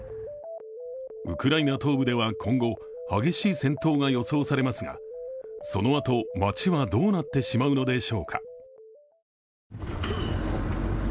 ウクライナ東部では今後激しい戦闘が予想されますがそのあと街はどうなってしまうのでしょうか。